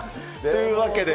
というわけで。